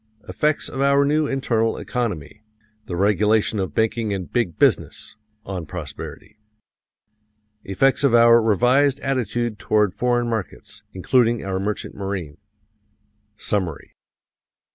Effects of our new internal economy the regulation of banking and "big business" on prosperity. Effects of our revised attitude toward foreign markets, including our merchant marine. Summary.